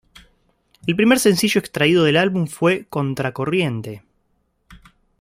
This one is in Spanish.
El primer sencillo extraído del álbum fue "Contracorriente".